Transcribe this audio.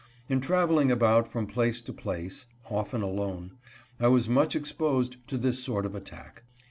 In traveling about from place to place, often alone, I was much exposed to this sort of attack.